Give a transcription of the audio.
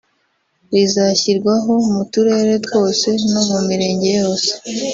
rizashyirwaho mu turere twose no mu mirenge yose